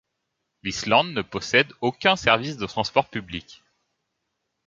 L'Islande ne possède aucun service de transport public.